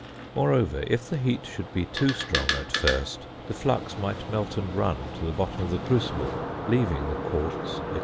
Moreover, if the heat should be too strong at first, the flux might melt and run to the bottom of the crucible, leaving the quartz, &c.